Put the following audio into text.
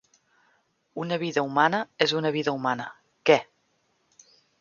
Una vida humana és una vida humana, què?